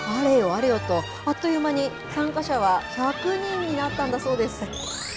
あれよと、あっという間に参加者は１００人になったんだそうです。